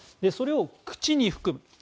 それを口に含む。